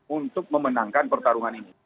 untuk memenangkan pertarungan ini